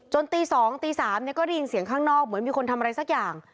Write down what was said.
ตี๒ตี๓ก็ได้ยินเสียงข้างนอกเหมือนมีคนทำอะไรสักอย่าง